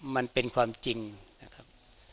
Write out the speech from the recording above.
มันเป็นความจริงนะครับ